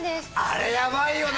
あれヤバいよね！